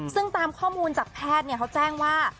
ซึ่งตามข้อมูลจากแพทย์เขาแจ้งว่า